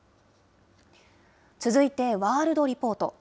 続いてワールドリポート。